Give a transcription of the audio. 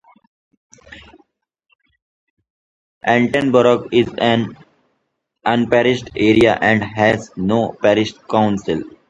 Attenborough is an unparished area and has no parish council.